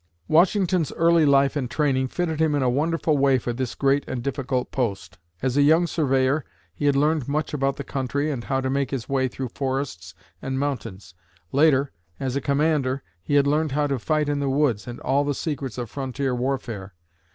Washington's early life and training fitted him in a wonderful way for this great and difficult post. As a young surveyor, he had learned much about the country and how to make his way through forests and mountains. Later, as a commander, he had learned how to fight in the woods, and all the secrets of frontier warfare.